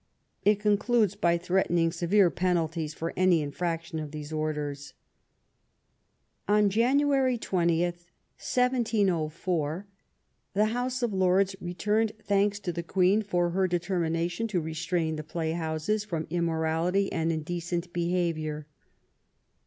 It concludes by threatening severe penalties for any infraction of these orders. On January 20, 1704, the House of Lords returned thanks to the Queen for her determination to restrain the play houses from immorality and indecent be havior.